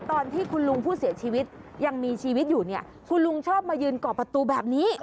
ตอนที่คุณลุงผู้เสียชีวิตยังมีชีวิตอยู่เนี่ยคุณลุงชอบมายืนก่อประตูแบบนี้